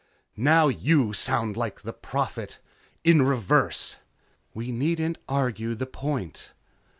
"Now you sound like the Prophet. In reverse." "We needn't argue the point."